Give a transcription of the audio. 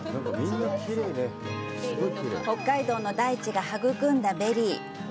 北海道の大地が育んだベリー。